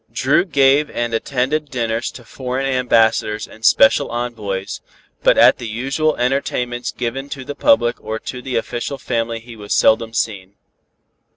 Dru gave and attended dinners to foreign ambassadors and special envoys, but at the usual entertainments given to the public or to the official family he was seldom seen.